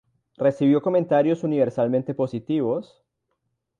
Recibió comentarios universalmente positivos.